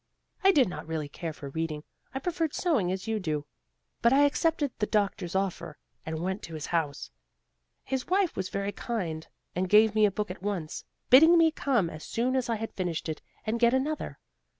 I did not really care for reading; I preferred sewing as you do, but I accepted the doctor's offer and went to his house. His wife was very kind and gave me a book at once, bidding me come as soon as I had finished it and get another.